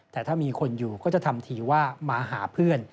แต่ถ้ามีคนอยู่ก็จะทำทีว่ามาหาเพื่อน